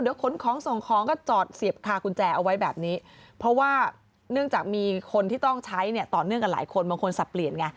เดี๋ยวขนของส่งของก็จอดเสียบคากุญแจเอาไว้แบบนี้เพราะว่าเนื่องจากมีคนที่ต้องใช้เนี่ยต่อเนื่องกันหลายคนบางคนสับเปลี่ยนไง